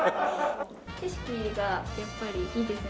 景色がやっぱりいいですね